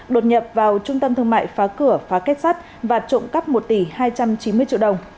đột nhập vào trung tâm thương mại phá cửa phá kết sắt và trộm cắp một tỷ hai trăm chín mươi triệu đồng